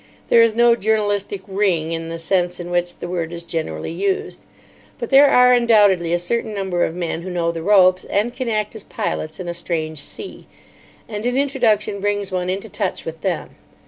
There is no journalistic "ring" in the sense in which the word is generally used; but there are undoubtedly a certain number of men who know the ropes, and can act as pilots in a strange sea; and an introduction brings one into touch with them.